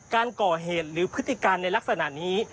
การก่อเหตุหรือพฤติการในลักษณะนี้